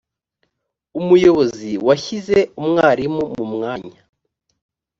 umuyobozi washyize umwarimu mu mwanya